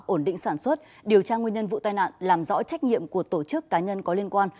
ổn định sản xuất điều tra nguyên nhân vụ tai nạn làm rõ trách nhiệm của tổ chức cá nhân có liên quan